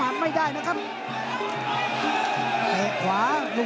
ตามต่อยกที่๓ครับ